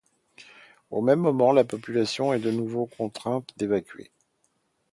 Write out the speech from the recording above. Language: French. Au même moment, la population est de nouveau contrainte d'évacuer.